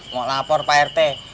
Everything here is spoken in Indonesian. mau lapor pak rt